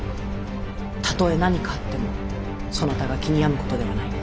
たとえ何かあってもそなたが気に病むことではない。